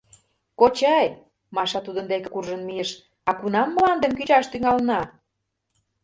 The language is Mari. — Кочай, — Маша тудын деке куржын мийыш, — а кунам мландым кӱнчаш тӱҥалына?